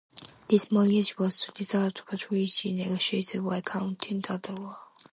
This marriage was the result of a treaty negotiated by countess Adela.